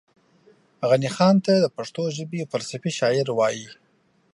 غني خان ته دا پښتو ژبې فلسفي شاعر وايي